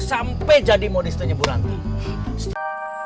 sampai jadi modis tese buranti